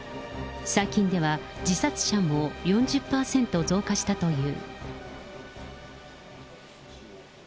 最近では自殺者も４０％増加したという。